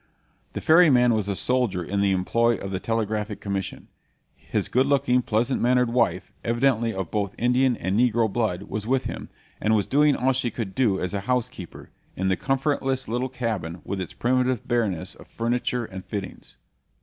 The ferryman was a soldier in the employ of the Telegraphic Commission. His good looking, pleasant mannered wife, evidently of both Indian and negro blood, was with him, and was doing all she could do as a housekeeper, in the comfortless little cabin, with its primitive bareness of furniture and fittings.